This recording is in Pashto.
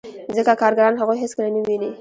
ځکه کارګران هغوی هېڅکله نه ویني